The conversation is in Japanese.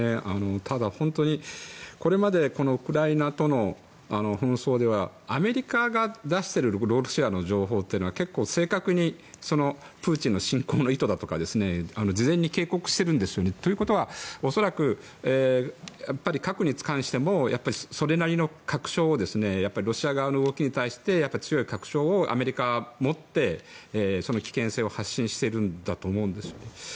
ただ、本当にこれまでウクライナとの紛争ではアメリカが出しているロールシェアの情報って結構正確にプーチンの侵攻の意図だとかを事前に警告してるんですよね。ということはやっぱり核に関してもロシア側の動きに対して強い確証をアメリカが持って、その危険性を言っているんだと思うんですね。